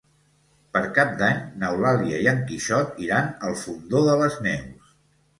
Per Cap d'Any n'Eulàlia i en Quixot iran al Fondó de les Neus.